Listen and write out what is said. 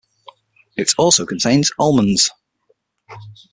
It also contains almonds.